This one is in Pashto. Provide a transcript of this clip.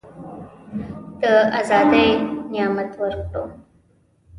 د آزادی نعمت ورکړو.